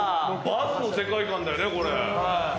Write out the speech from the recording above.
バズの世界観だよねこれ。